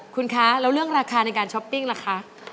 คุณคะแล้วเรื่องราคาในการช้อปปิ้งล่ะคะ